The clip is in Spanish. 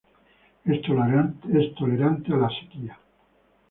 Es tolerante a sequía.